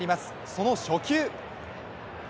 その初球。